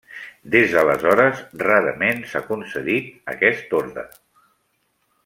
Des d’aleshores rarament s’ha concedit aquest orde.